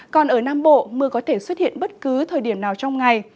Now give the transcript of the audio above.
còn ở nam bộ mưa có thể xuất hiện bất cứ thời điểm nào trong ngày